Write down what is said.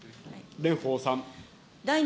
蓮舫さん。